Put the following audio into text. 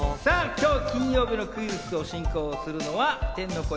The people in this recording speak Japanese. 金曜日のクイズッスを進行するのは天の声